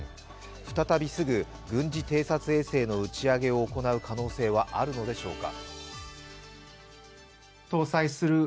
再びすぐ、軍事偵察衛星の打ち上げを行う可能性はあるのでしょうか。